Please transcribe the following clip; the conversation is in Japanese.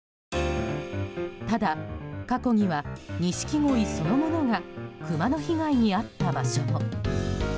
ただ、過去にはニシキゴイそのものがクマの被害に遭った場所も。